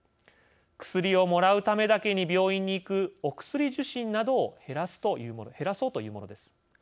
薬をもらうためだけに病院に行く「おくすり受診」などを減らそうというものです。